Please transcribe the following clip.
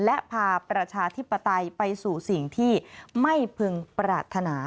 และพาประชาธิปไตยไปสู่สิ่งที่ไม่พึงปรารถนา